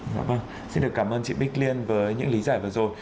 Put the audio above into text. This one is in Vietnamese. dạ vâng xin được cảm ơn chị bích liên với những lý giải vừa rồi